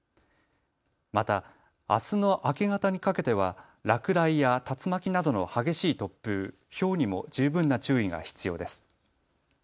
また、あすの明け方にかけては落雷や竜巻などの激しい突風、ひょうにも十分な注意が必要です。